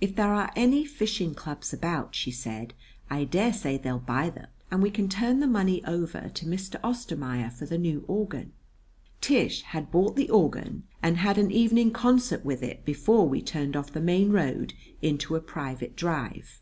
"If there are any fishing clubs about," she said, "I dare say they'll buy them; and we can turn the money over to Mr. Ostermaier for the new organ." Tish had bought the organ and had an evening concert with it before we turned off the main road into a private drive.